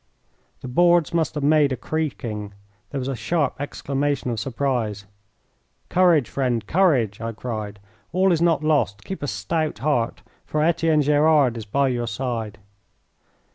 The boards must have made a creaking. There was a sharp exclamation of surprise. "Courage, friend, courage!" I cried. "All is not lost. Keep a stout heart, for Etienne Gerard is by your side."